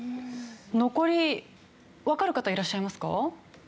残りわかる方いらっしゃいますか？